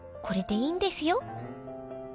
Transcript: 「これでいいんですよ」